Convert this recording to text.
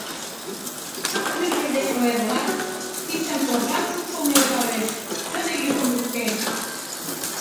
Тӱрвыж деч ойырла, кидшым торжан шупшыл нӧлталеш, шыде йӱкым луктеш: